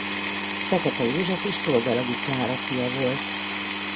Fekete József és Toldalagi Klára fia volt.